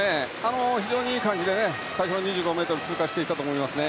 非常にいい感じで２５ｍ通過していったと思います。